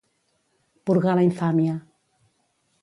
Purgar la infàmia.